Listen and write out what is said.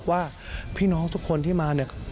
ว่าพี่น้องทุกคนที่มาเนี่ย